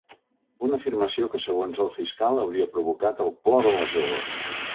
Una afirmació que segons el fiscal hauria provocat el plor de la jove.